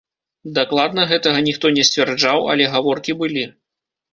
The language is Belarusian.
Дакладна гэтага ніхто не сцвярджаў, але гаворкі былі.